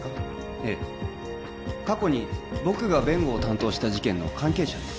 ええ過去に僕が弁護を担当した事件の関係者です